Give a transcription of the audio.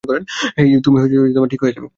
হেই, তুমি ঠিক হয়ে যাবে।